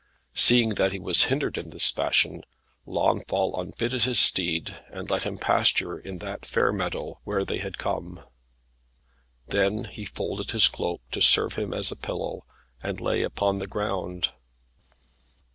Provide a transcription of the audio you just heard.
Seeing that he was hindered in this fashion, Launfal unbitted his steed, and let him pasture in that fair meadow, where they had come. Then he folded his cloak to serve him as a pillow, and lay upon the ground.